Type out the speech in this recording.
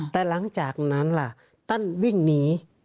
แต่หลังจากนั้นล่ะท่านวิ่งหนี